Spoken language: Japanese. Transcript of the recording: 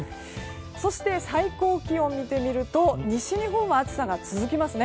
そして、最高気温を見てみると西日本は暑さが続きますね。